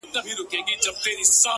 • منت واخله، ولي منت مکوه ,